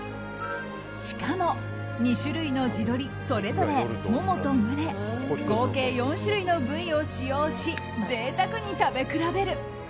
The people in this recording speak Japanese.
しかも、２種類の地鶏それぞれ、モモと胸合計４種類の部位を使用し贅沢に食べ比べる。